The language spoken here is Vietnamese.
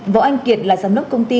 võ anh kiệt là giám đốc công ty